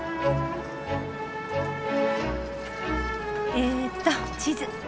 えっと地図。